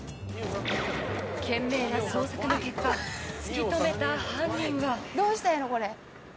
懸命な捜索の結果突き止めた犯人は。